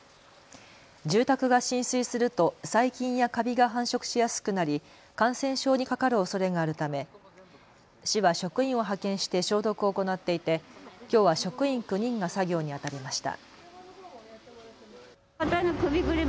住宅が浸水すると細菌やカビが繁殖しやすくなり感染症にかかるおそれがあるため市は職員を派遣して消毒を行っていてきょうは職員９人が作業にあたりました。